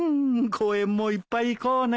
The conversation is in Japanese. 公園もいっぱい行こうね。